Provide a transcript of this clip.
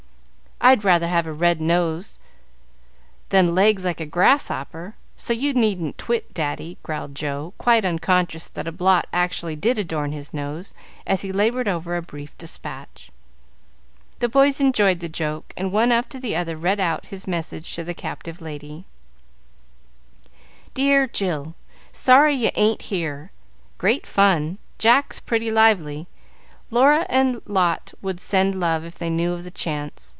"I'd rather have a red nose than legs like a grasshopper; so you needn't twit, Daddy," growled Joe, quite unconscious that a blot actually did adorn his nose, as he labored over a brief despatch. The boys enjoyed the joke, and one after the other read out his message to the captive lady: "Dear Jill, Sorry you ain't here. Great fun. Jack pretty lively. Laura and Lot would send love if they knew of the chance.